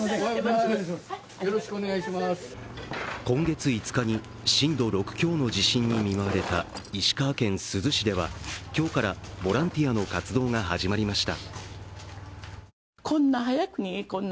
今月５日に震度６強の地震に見舞われた石川県珠洲市では、今日からボランティアの活動が始まりました。